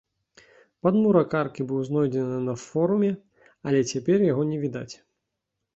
Падмурак аркі быў знойдзены на форуме, але цяпер яго не відаць.